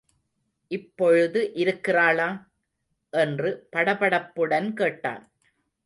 இப்பொழுது இருக்கிறாளா? என்று படபடப்புடன் கேட்டான்.